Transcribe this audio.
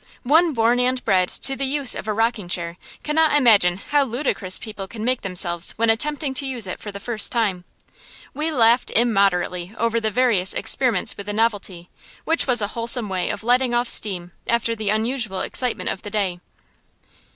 One born and bred to the use of a rocking chair cannot imagine how ludicrous people can make themselves when attempting to use it for the first time. We laughed immoderately over our various experiments with the novelty, which was a wholesome way of letting off steam after the unusual excitement of the day.